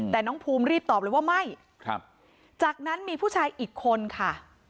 แต่น้องภูมิรีบตอบเลยว่าไม่ครับจากนั้นมีผู้ชายอีกคนค่ะ